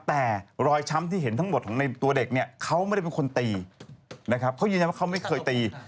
แต่รอยช้ำที่เห็นทั้งหมดของในตัวเด็กเนี่ยเขาไม่ได้เป็นคนตีนะครับเขายืนยันว่าเขาไม่เคยตี